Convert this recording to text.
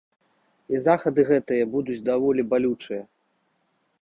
І захады гэтыя будуць даволі балючыя.